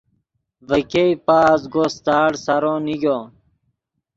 ڤے ګئے پازگو ستاڑ سارو نیگو۔